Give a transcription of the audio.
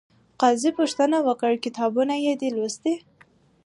قاضي پوښتنه وکړه، کتابونه یې دې لوستي؟